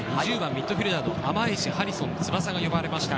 ２０番・ミッドフィルダーのアマエシハリソン翼が呼ばれました。